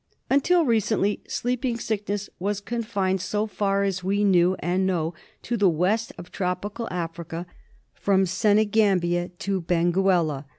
Until recently Sleeping Sickness was confined, so far as we knew and know, to the west of Tropical Africa, from Senegambia to Benguela.